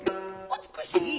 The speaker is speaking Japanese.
「美しい。